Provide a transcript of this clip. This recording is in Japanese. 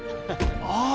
ああ。